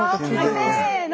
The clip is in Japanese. せの！